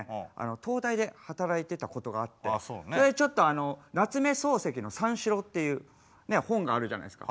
東大で働いてたことがあってそれでちょっと夏目漱石の「三四郎」っていう本があるじゃないですか。